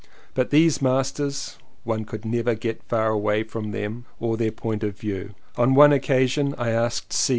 But these masters — one could never get far enough away from them or their point of view. On one occasion I asked C.